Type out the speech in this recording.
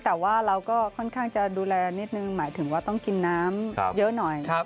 แต่ว่าเราก็ค่อนข้างจะดูแลนิดนึงหมายถึงว่าต้องกินน้ำเยอะหน่อย